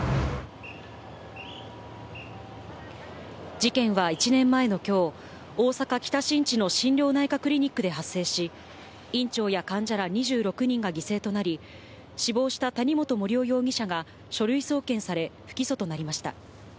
事件は１年前の今日、大阪・北新地の心療内科クリニックで発生し、院長や患者ら２６人が犠牲となり、死亡した谷本盛雄容疑者が書類送検され、不起訴となりました。